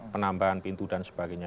penambahan pintu dan sebagainya